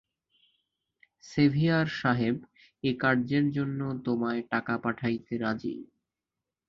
Severe সাহেব এ কার্যের জন্য তোমায় টাকা পাঠাইতে রাজী।